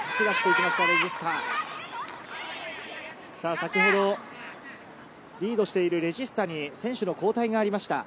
先ほど、リードしているレジスタに選手の交代がありました。